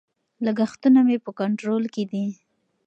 لګښتونه مې په کنټرول کې دي.